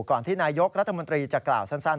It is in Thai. ที่นายกรัฐมนตรีจะกล่าวสั้น